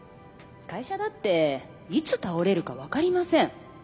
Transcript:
会社だっていつ倒れるか分かりません。